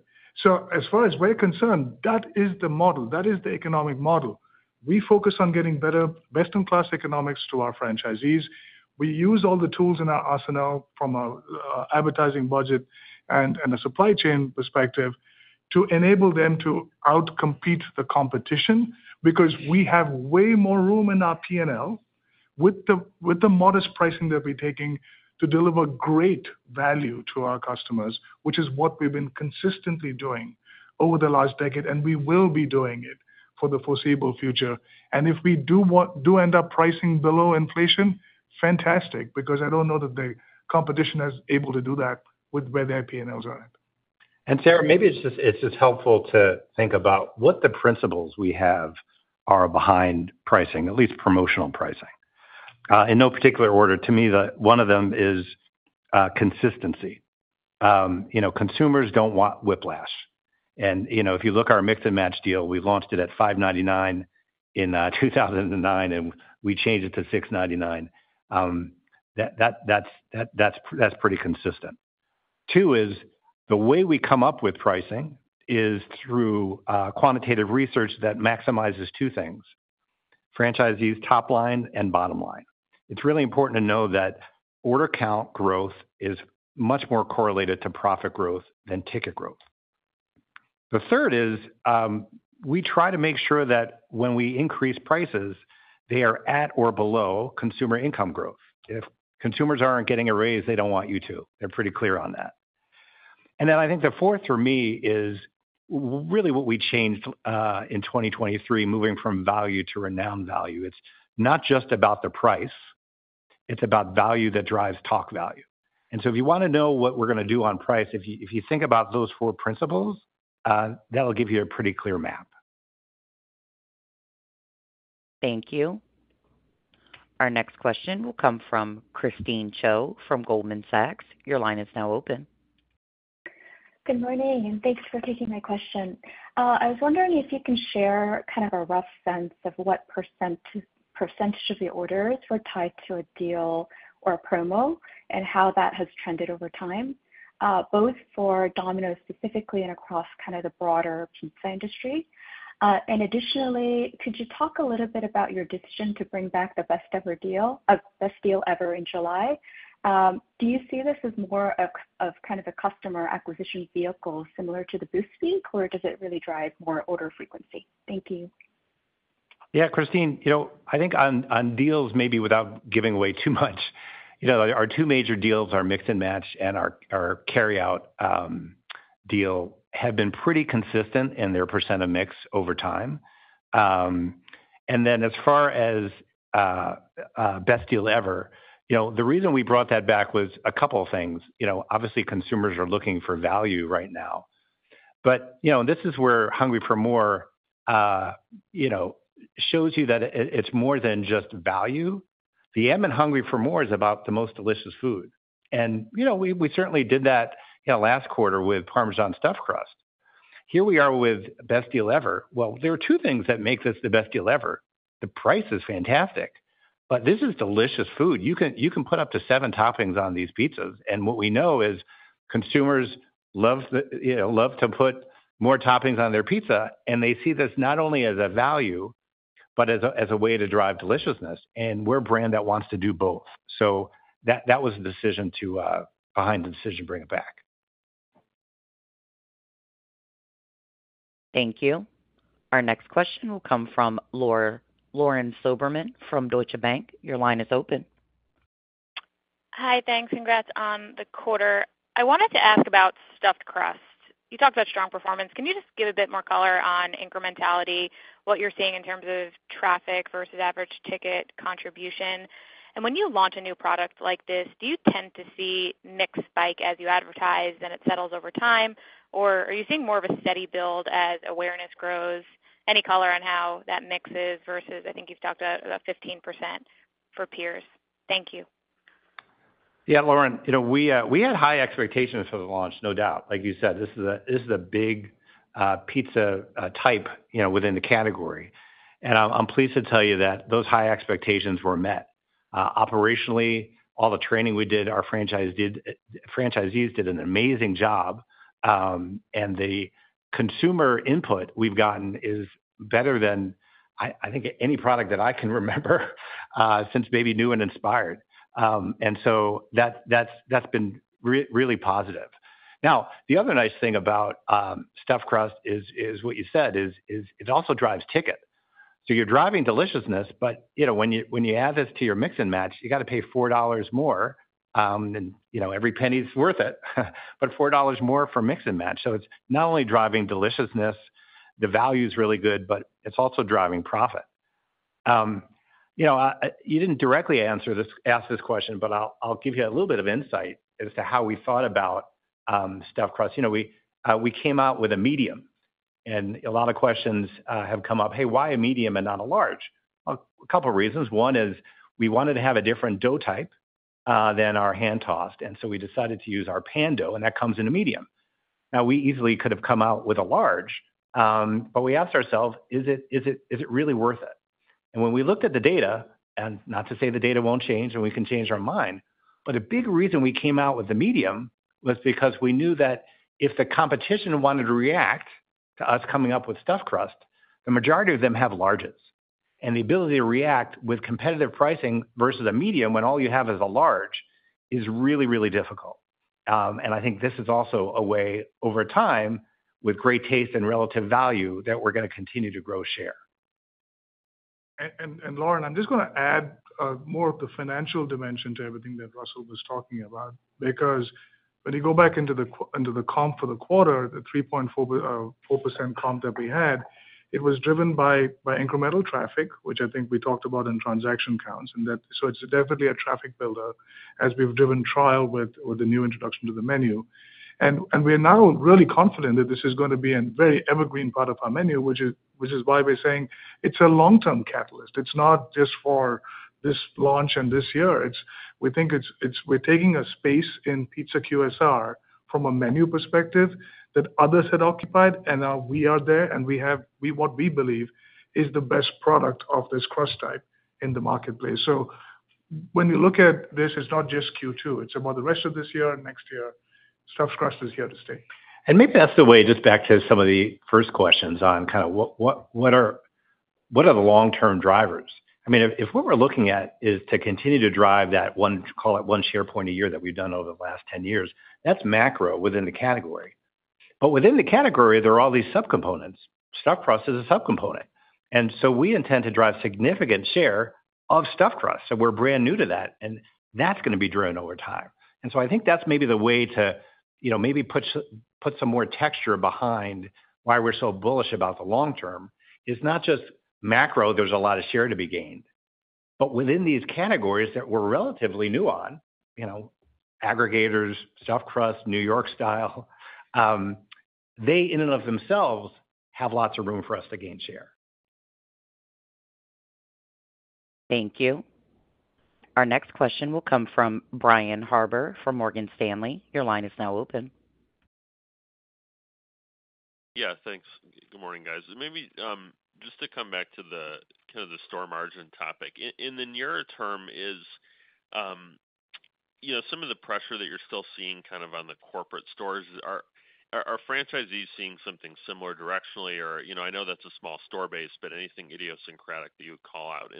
As far as we're concerned, that is the model. That is the economic model. We focus on getting better best-in-class economics to our franchisees. We use all the tools in our arsenal from an advertising budget and a supply chain perspective to enable them to out-compete the competition because we have way more room in our T&L with the modest pricing that we're taking to deliver great value to our customers, which is what we've been consistently doing over the last decade, and we will be doing it for the foreseeable future. If we do end up pricing below inflation, fantastic, because I don't know that the competition is able to do that with where their P&Ls are at. Maybe it is just helpful to think about what the principles we have are behind pricing, at least promotional pricing. In no particular order, to me, one of them is consistency. Consumers do not want whiplash. If you look at our mix-and-match deal, we launched it at $5.99 in 2009, and we changed it to $6.99. That is pretty consistent. Two is the way we come up with pricing is through quantitative research that maximizes two things: franchisees' top line and bottom line. It is really important to know that order count growth is much more correlated to profit growth than ticket growth. The third is we try to make sure that when we increase prices, they are at or below consumer income growth. If consumers are not getting a raise, they do not want you to. They are pretty clear on that. I think the fourth for me is really what we changed in 2023, moving from value to renowned value. It is not just about the price. It is about value that drives talk value. If you want to know what we are going to do on price, if you think about those four principles, that will give you a pretty clear map. Thank you. Our next question will come from Christine Cho from Goldman Sachs. Your line is now open. Good morning. Thanks for taking my question. I was wondering if you can share kind of a rough sense of what percentage of your orders were tied to a deal or a promo and how that has trended over time, both for Domino's specifically and across kind of the broader pizza industry. Additionally, could you talk a little bit about your decision to bring back the Best Deal Ever in July? Do you see this as more of kind of a customer acquisition vehicle similar to the Boost Fee, or does it really drive more order frequency? Thank you. Yeah, Christine, I think on deals, maybe without giving away too much, our two major deals, our mix-and-match and our carryout deal, have been pretty consistent in their percent of mix over time. As far as Best Deal Ever, the reason we brought that back was a couple of things. Obviously, consumers are looking for value right now. This is where Hungry for MORE shows you that it's more than just value. The admin Hungry for MORE is about the most delicious food. We certainly did that last quarter with Parmesan Stuffed Crust. Here we are with Best Deal Ever. There are two things that make this the Best Deal Ever. The price is fantastic, but this is delicious food. You can put up to seven toppings on these pizzas. What we know is consumers love to put more toppings on their pizza, and they see this not only as a value, but as a way to drive deliciousness. We're a brand that wants to do both. That was the decision behind the decision to bring it back. Thank you. Our next question will come from Lauren Silberman from Deutsche Bank. Your line is open. Hi, thanks. Congrats on the quarter. I wanted to ask about Stuffed Crust. You talked about strong performance. Can you just give a bit more color on incrementality, what you're seeing in terms of traffic versus average ticket contribution? When you launch a new product like this, do you tend to see mix spike as you advertise and it settles over time, or are you seeing more of a steady build as awareness grows? Any color on how that mixes versus I think you've talked about 15% for peers. Thank you. Yeah, Lauren, we had high expectations for the launch, no doubt. Like you said, this is a big pizza type within the category. I'm pleased to tell you that those high expectations were met. Operationally, all the training we did, our franchisees did an amazing job. The consumer input we've gotten is better than I think any product that I can remember, since maybe new and inspired. That's been really positive. Now, the other nice thing about Stuffed Crust is what you said, it also drives ticket. You're driving deliciousness, but when you add this to your mix and match, you got to pay $4 more. Every penny is worth it, but $4 more for mix and match. It's not only driving deliciousness, the value is really good, but it's also driving profit. You didn't directly ask this question, but I'll give you a little bit of insight as to how we thought about Stuffed Crust. We came out with a medium. A lot of questions have come up, "Hey, why a medium and not a large?" A couple of reasons. One is we wanted to have a different dough type than our hand-tossed. We decided to use our pan dough, and that comes in a medium. We easily could have come out with a large, but we asked ourselves, is it really worth it? When we looked at the data, and not to say the data won't change and we can change our mind, but a big reason we came out with the medium was because we knew that if the competition wanted to react to us coming up with Stuffed Crust, the majority of them have larges. The ability to react with competitive pricing versus a medium when all you have is a large is really, really difficult. I think this is also a way over time with great taste and relative value that we're going to continue to grow share. Lauren, I'm just going to add more of the financial dimension to everything that Russell was talking about because when you go back into the comp for the quarter, the 3.4% comp that we had, it was driven by incremental traffic, which I think we talked about in transaction counts. It's definitely a traffic builder as we've driven trial with the new introduction to the menu. We are now really confident that this is going to be a very evergreen part of our menu, which is why we're saying it's a long-term catalyst. It's not just for this launch and this year. We think we're taking a space in Pizza QSR from a menu perspective that others had occupied, and now we are there, and we have what we believe is the best product of this crust type in the marketplace. When you look at this, it's not just Q2. It's about the rest of this year and next year. Stuffed Crust is here to stay. Maybe that's the way just back to some of the first questions on kind of what are the long-term drivers. I mean, if what we're looking at is to continue to drive that one share point a year that we've done over the last 10 years, that's macro within the category. Within the category, there are all these subcomponents. Stuffed Crust is a subcomponent. We intend to drive significant share of Stuffed Crust. We're brand new to that, and that's going to be driven over time. I think that's maybe the way to maybe put some more texture behind why we're so bullish about the long term. It's not just macro, there's a lot of share to be gained. Within these categories that we're relatively new on—aggregators, Stuffed Crust, New York style—they in and of themselves have lots of room for us to gain share. Thank you. Our next question will come from Brian Harbour from Morgan Stanley. Your line is now open. Yes, thanks. Good morning, guys. Maybe just to come back to the kind of the store margin topic. In the nearer term, is some of the pressure that you're still seeing kind of on the corporate stores, are franchisees seeing something similar directionally? I know that's a small store base, but anything idiosyncratic that you would call out.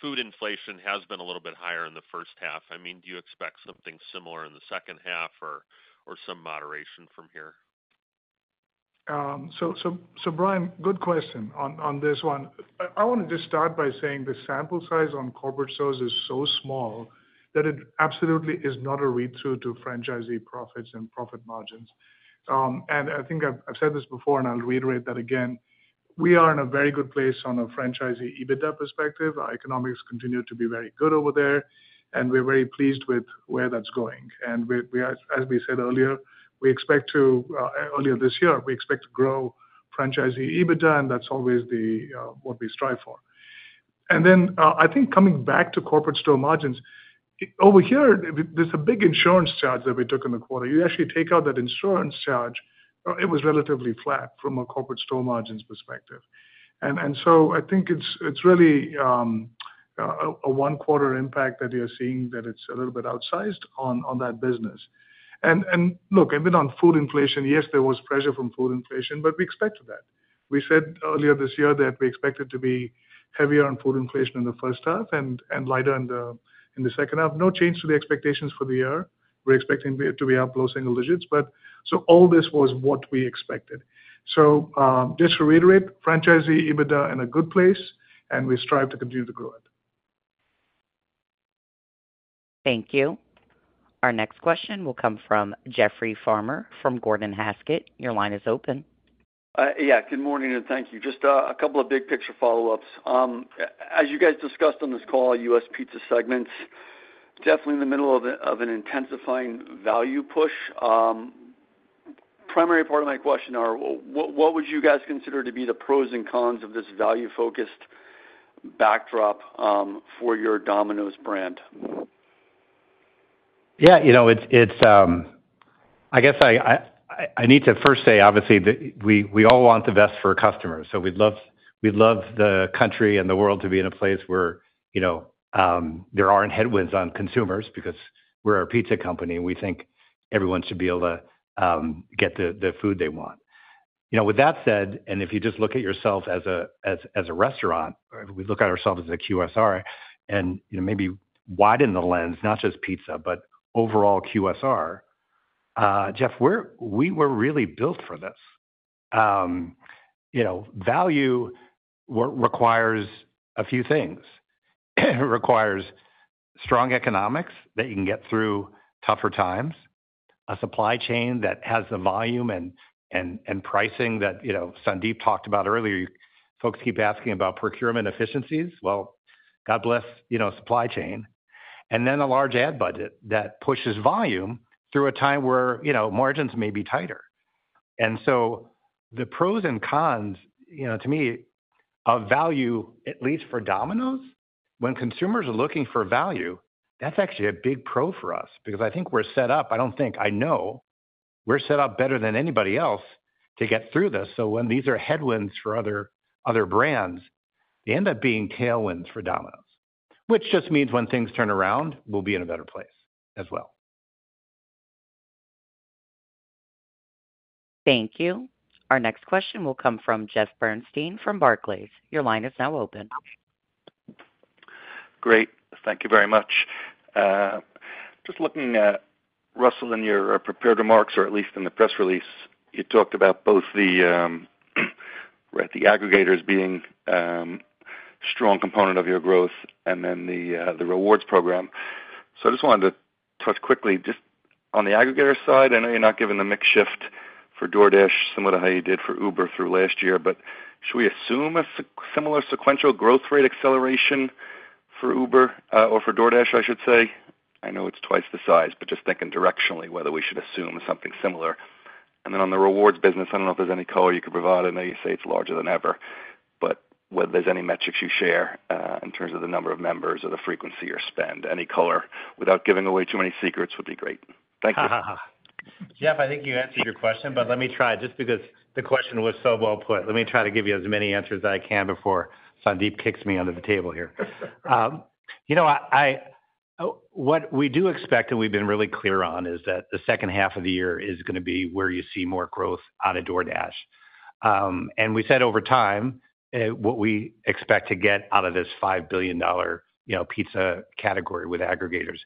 Food inflation has been a little bit higher in the first half. I mean, do you expect something similar in the second half or some moderation from here? Brian, good question on this one. I want to just start by saying the sample size on corporate stores is so small that it absolutely is not a read-through to franchisee profits and profit margins. I think I've said this before, and I'll reiterate that again. We are in a very good place on a franchisee EBITDA perspective. Our economics continue to be very good over there, and we're very pleased with where that's going. As we said earlier, we expect to, earlier this year, we expect to grow franchisee EBITDA, and that's always what we strive for. I think coming back to corporate store margins, over here, there's a big insurance charge that we took in the quarter. You actually take out that insurance charge, it was relatively flat from a corporate store margins perspective. I think it's really a one-quarter impact that you're seeing that it's a little bit outsized on that business. Look, I've been on food inflation. Yes, there was pressure from food inflation, but we expected that. We said earlier this year that we expected to be heavier on food inflation in the first half and lighter in the second half. No change to the expectations for the year. We're expecting to be up low single digits. All this was what we expected. Just to reiterate, franchisee EBITDA in a good place, and we strive to continue to grow it. Thank you. Our next question will come from Jeffrey Farmer from Gordon Haskett. Your line is open. Yeah, good morning and thank you. Just a couple of big picture follow-ups. As you guys discussed on this call, U.S. pizza segments, definitely in the middle of an intensifying value push. Primary part of my question are, what would you guys consider to be the pros and cons of this value-focused backdrop for your Domino's brand? Yeah. I guess I need to first say, obviously, that we all want the best for our customers. We'd love the country and the world to be in a place where there aren't headwinds on consumers because we're a pizza company and we think everyone should be able to get the food they want. With that said, if you just look at yourself as a restaurant, we look at ourselves as a QSR, and maybe widen the lens, not just pizza, but overall QSR. Jeff, we were really built for this. Value requires a few things. It requires strong economics that you can get through tougher times, a supply chain that has the volume and pricing that Sandeep talked about earlier. Folks keep asking about procurement efficiencies. Well, God bless supply chain. And then a large ad budget that pushes volume through a time where margins may be tighter. The pros and cons, to me, of value, at least for Domino's, when consumers are looking for value, that's actually a big pro for us because I think we're set up, I don't think, I know, we're set up better than anybody else to get through this. When these are headwinds for other brands, they end up being tailwinds for Domino's, which just means when things turn around, we'll be in a better place as well. Thank you. Our next question will come from Jeff Bernstein from Barclays. Your line is now open. Great. Thank you very much. Just looking at Russell and your prepared remarks, or at least in the press release, you talked about both the aggregators being a strong component of your growth and then the rewards program. I just wanted to touch quickly just on the aggregator side. I know you're not giving the mix shift for DoorDash similar to how you did for Uber through last year, but should we assume a similar sequential growth rate acceleration for Uber or for DoorDash, I should say? I know it's twice the size, but just thinking directionally whether we should assume something similar. On the rewards business, I don't know if there's any color you could provide. I know you say it's larger than ever, but whether there's any metrics you share in terms of the number of members or the frequency or spend, any color without giving away too many secrets would be great. Thank you. Jeff, I think you answered your question, but let me try just because the question was so well put. Let me try to give you as many answers as I can before Sandeep kicks me under the table here. What we do expect and we've been really clear on is that the second half of the year is going to be where you see more growth out of DoorDash. We said over time, what we expect to get out of this $5 billion pizza category with aggregators.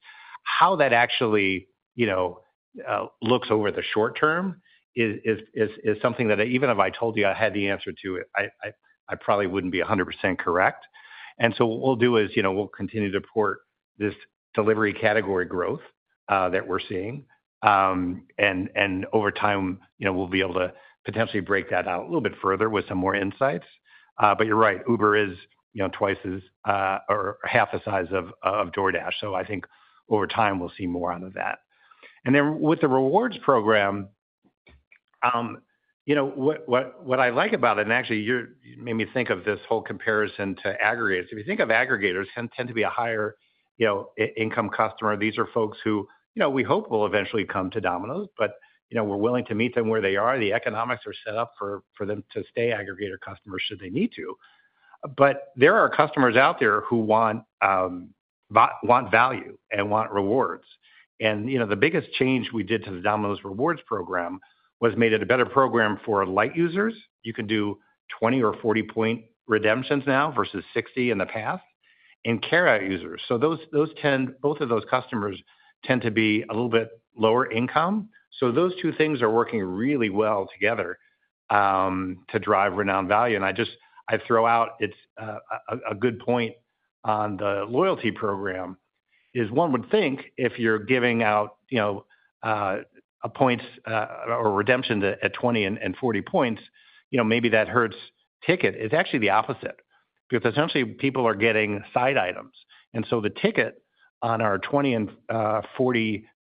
How that actually looks over the short term is something that even if I told you I had the answer to it, I probably wouldn't be 100% correct. What we'll do is we'll continue to report this delivery category growth that we're seeing. Over time, we'll be able to potentially break that out a little bit further with some more insights. You're right, Uber is twice or half the size of DoorDash. I think over time, we'll see more out of that. With the rewards program, what I like about it, and actually you made me think of this whole comparison to aggregators. If you think of aggregators, tend to be a higher income customer. These are folks who we hope will eventually come to Domino's, but we're willing to meet them where they are. The economics are set up for them to stay aggregator customers should they need to. There are customers out there who want value and want rewards. The biggest change we did to the Domino's Rewards program was made it a better program for light users. You can do 20 or 40-point redemptions now versus 60 in the past, and carryout users. Both of those customers tend to be a little bit lower income. Those two things are working really well together to drive renowned value. I throw out, it's a good point on the loyalty program. One would think if you're giving out a point or redemption at 20 and 40 points, maybe that hurts ticket. It's actually the opposite, because essentially, people are getting side items.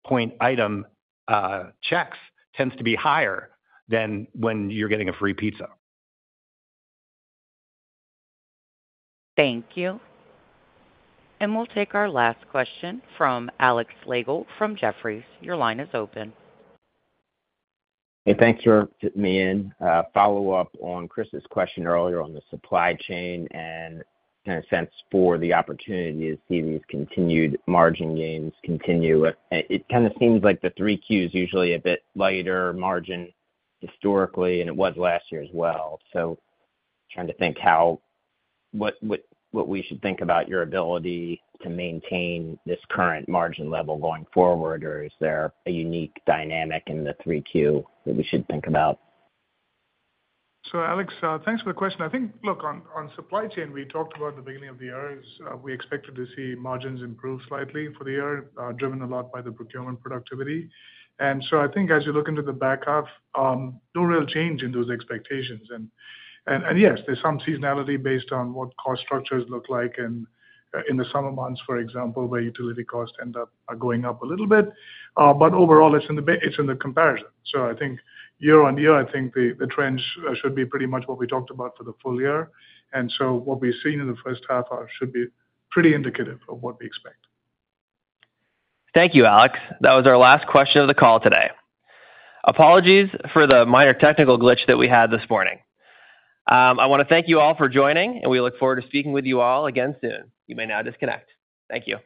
The ticket on our 20 and 40-point item checks tends to be higher than when you're getting a free pizza. Thank you. We will take our last question from Alex Lago from Jefferies. Your line is open. Hey, thanks for fitting me in. Follow-up on Chris's question earlier on the supply chain and kind of sense for the opportunity to see these continued margin gains continue. It kind of seems like the 3Q is usually a bit lighter margin historically, and it was last year as well. Trying to think how. What we should think about your ability to maintain this current margin level going forward, or is there a unique dynamic in the 3Q that we should think about? Alex, thanks for the question. I think, look, on supply chain, we talked about at the beginning of the year, we expected to see margins improve slightly for the year, driven a lot by the procurement productivity. I think as you look into the back half, no real change in those expectations. Yes, there's some seasonality based on what cost structures look like in the summer months, for example, where utility costs end up going up a little bit. Overall, it's in the comparison. I think year on year, the trends should be pretty much what we talked about for the full year. What we've seen in the first half should be pretty indicative of what we expect. Thank you, Alex. That was our last question of the call today. Apologies for the minor technical glitch that we had this morning. I want to thank you all for joining, and we look forward to speaking with you all again soon. You may now disconnect. Thank you.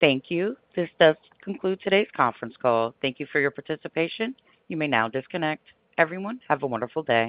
Thank you. This does conclude today's conference call. Thank you for your participation. You may now disconnect. Everyone, have a wonderful day.